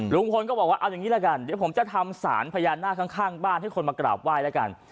ลุงพลก็บอกว่าเอาอย่างนี้ละกันเดี๋ยวผมจะทำสารพญานาคข้างบ้านให้คนมากราบไหว้แล้วกัน